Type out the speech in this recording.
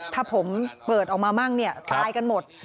ถ้าผมเปิดออกมามากตายกันหมด